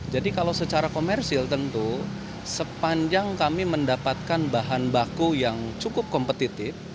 jadi kalau secara komersil tentu sepanjang kami mendapatkan bahan baku yang cukup kompetitif